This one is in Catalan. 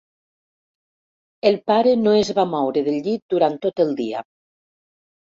El pare no es va moure del llit durant tot el dia.